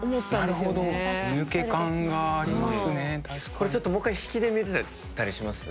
これちょっともう１回引きで見れたりします？